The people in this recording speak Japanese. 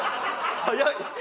早い！